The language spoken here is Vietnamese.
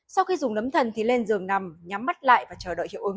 sau khi dùng nấm thần thì lên giường nằm nhắm mắt lại và chờ đợi hiệu ứng